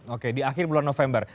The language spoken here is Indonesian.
oke di akhir bulan november